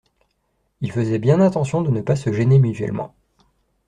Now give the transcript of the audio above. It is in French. Ils faisaient bien attention de ne pas se gêner mutuellement.